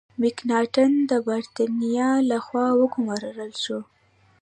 مکناټن د برتانیا له خوا وګمارل شو.